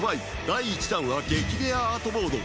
第１弾は激レアアートボード